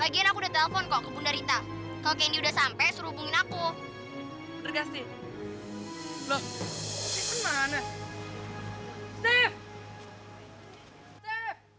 candy kamu gak usah terima kasih sama tante